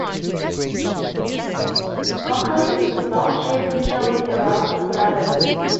McAuliffe is a bowl-shaped feature with a roughly circular rim.